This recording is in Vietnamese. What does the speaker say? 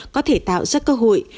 có thể tạo ra cơ hội